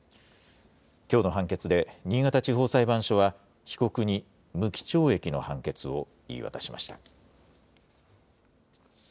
きょうの判決で、新潟地方裁判所は、被告に無期懲役の判決を言い渡しました。